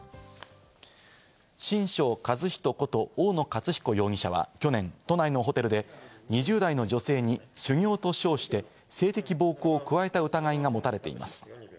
神生一人こと大野勝彦容疑者は去年、都内のホテルで２０代の女性に修行と称して性的暴行を加えた疑いが持たれています。